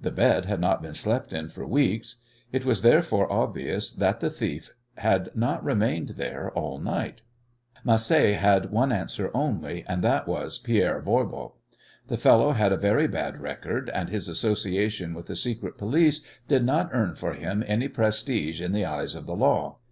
The bed had not been slept in for weeks. It was, therefore, obvious that the thief had not remained there all night. Macé had one answer only, and that was Pierre Voirbo. The fellow had a very bad record, and his association with the secret police did not earn for him any prestige in the eyes of the law.